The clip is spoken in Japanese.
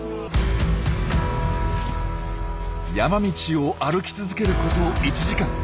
山道を歩き続けること１時間。